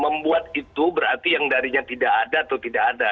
membuat itu berarti yang darinya tidak ada atau tidak ada